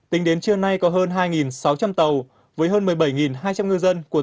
tính đến trưa nay có hơn hai sáu trăm linh tàu với hơn một mươi bảy hai trăm linh ngư dân của tỉnh bà địa vũng tàu